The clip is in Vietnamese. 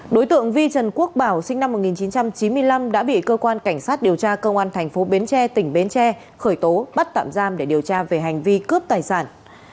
đối tượng vi trần quốc bảo sinh năm một nghìn chín trăm chín mươi năm đã bị cơ quan cảnh sát điều tra công an thành phố bến tre tỉnh bến tre khởi tố bắt tạm giam để điều tra về hành vi cướp tài sản